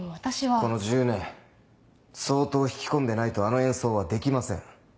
この１０年相当弾き込んでないとあの演奏はできません。